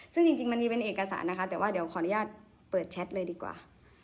ซึ่งจริงมันมีเป็นเอกสารนะคะแต่ว่าเดี๋ยวขออนุญาตเปิดแชทเลยดีกว่า